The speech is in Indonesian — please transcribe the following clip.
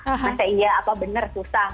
masa india apa benar susah